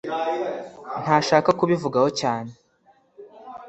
ntashaka kubivugaho cyane